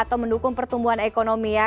atau mendukung pertumbuhan ekonomi ya